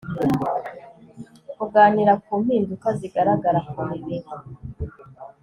kuganira ku mpinduka zigaragara ku mibiri